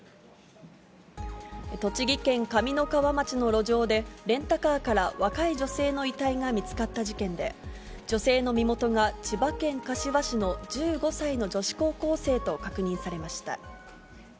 栃木県上三川町の路上でレンタカーから若い女性の遺体が見つかった事件で、女性の身元が千葉県柏市の１５歳の女子高校生と確認されました。